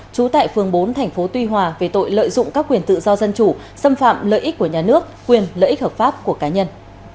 trú tại phường bốn thành phố tuy hòa về tội lợi dụng các quyền tự do dân chủ xâm phạm lợi ích của nhà nước quyền lợi ích hợp pháp của cá nhân